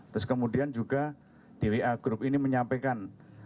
terus kemudian juga di wa group ini menyampaikan